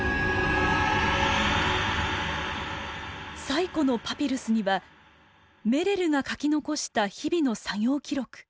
最古のパピルスにはメレルが書き残した日々の作業記録